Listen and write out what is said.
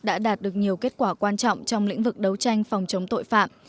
đã đạt được nhiều kết quả quan trọng trong lĩnh vực đấu tranh phòng chống tội phạm